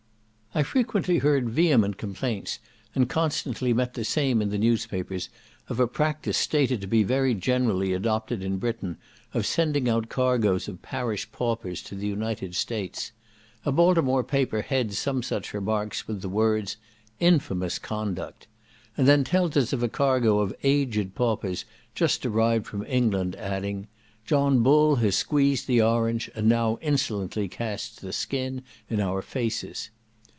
I frequently heard vehement complaints, and constantly met the same in the newspapers, of a practice stated to be very generally adopted in Britain of sending out cargoes of parish paupers to the United States. A Baltimore paper heads some such remarks with the words "INFAMOUS CONDUCT!" and then tells us of a cargo of aged paupers just arrived from England, adding, "John Bull has squeezed the orange, and now insolently casts the skin in our faces."